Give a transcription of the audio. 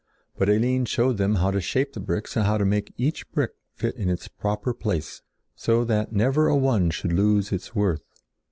But Eline showed them how to shape the bricks and how to make each brick fit in its proper place so that never a one should lose its worth.